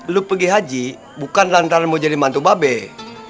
lo pergi haji bukan lantaran mau jadi mantu bapak